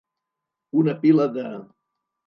Una pila de.